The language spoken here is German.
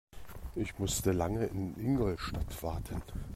Ich musste lange in Ingolstadt warten